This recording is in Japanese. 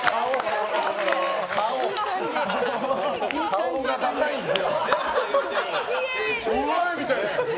顔がダサいんですよ。